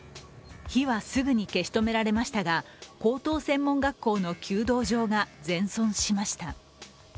火はすぐに消し止められましたが高等専門学校の弓道場が全損しました。